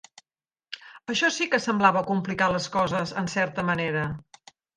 Això sí que semblava complicar les coses en certa manera.